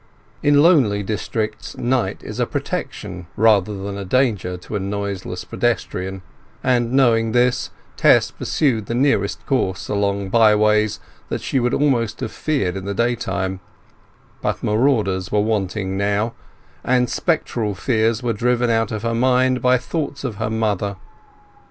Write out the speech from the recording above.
In lonely districts night is a protection rather than a danger to a noiseless pedestrian, and knowing this, Tess pursued the nearest course along by lanes that she would almost have feared in the day time; but marauders were wanting now, and spectral fears were driven out of her mind by thoughts of her mother.